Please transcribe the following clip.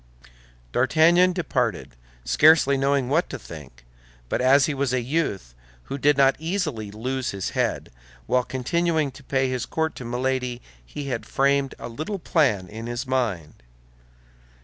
D'Artagnan departed, scarcely knowing what to think, but as he was a youth who did not easily lose his head, while continuing to pay his court to Milady, he had framed a little plan in his mind.